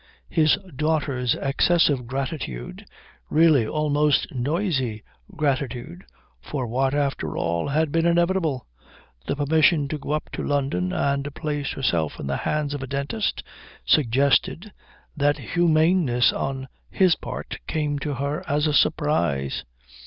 His daughter's excessive gratitude, really almost noisy gratitude, for what after all had been inevitable, the permission to go up to London and place herself in the hands of a dentist, suggested that humaneness on his part came to her as a surprise.